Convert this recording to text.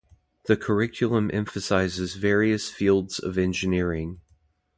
The curriculum emphasizes various fields of engineering.